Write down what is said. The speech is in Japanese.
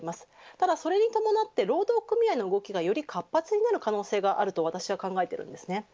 ただそれに伴って労働組合の動きがより活発になる可能性があると私は考えているんですね。